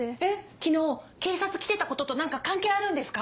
昨日警察来てたことと何か関係あるんですか？